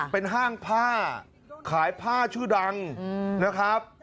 เป็นห้างผ้าขายผ้าชื่อดังนะครับ